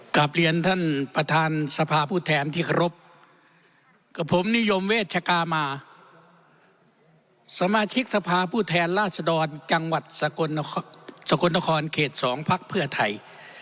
กลับเรียนท่านประธานสภาผู้แทนที่เคารพกับผมนิยมเวชกามาสมาชิกสภาผู้แทนราชดรจังหวัดสกลนครเขต๒พักเพื่อไทย